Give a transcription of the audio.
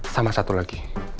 sama satu lagi